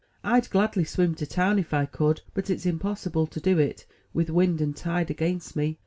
'*rd gladly swim to town, if I could; but it*s impossible to do it, with wind and tide against me.